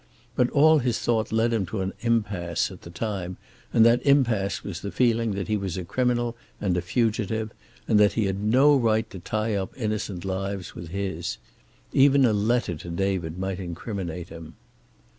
But all his thought led him to an impasse at that time, and that impasse was the feeling that he was a criminal and a fugitive, and that he had no right to tie up innocent lives with his. Even a letter to David might incriminate him.